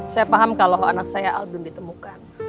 saya paham kalau anak saya al belum ditemukan